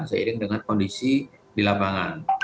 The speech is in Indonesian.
seiring dengan kondisi di lapangan